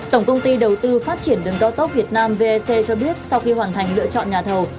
tổng công ty đầu tư phát triển đường cao tốc việt nam vec cho biết sau khi hoàn thành lựa chọn nhà thầu